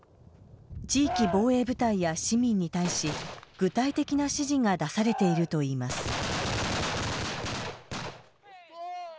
地域防衛部隊や市民に対し具体的な指示が出されているといいます。